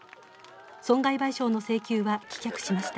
損害賠償の請求は棄却しました。